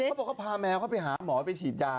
เขาบอกเขาพาแมวเขาไปหาหมอไปฉีดยา